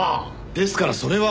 ですからそれは！